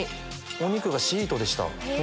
お肉がシートでした。